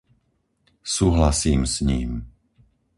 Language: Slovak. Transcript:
Súhlasím s ním.